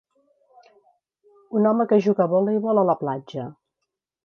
Un home que juga a voleibol a la platja.